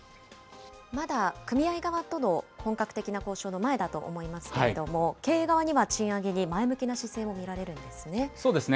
まだ組合側との本格的な交渉の前だと思いますけれども、経営側には賃上げに前向きな姿勢も見られるんですね。